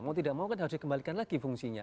mau tidak mau kan harus dikembalikan lagi fungsinya